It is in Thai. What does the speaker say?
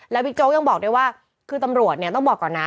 บิ๊กโจ๊กยังบอกด้วยว่าคือตำรวจเนี่ยต้องบอกก่อนนะ